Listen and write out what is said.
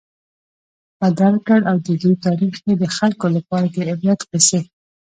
بدل کړ، او د دوی تاريخ ئي د خلکو لپاره د عبرت قيصي